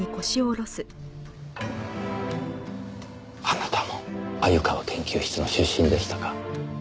あなたも鮎川研究室の出身でしたか。